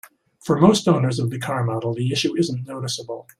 For most owners of the car model, the issue isn't noticeable.